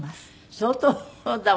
相当だわ。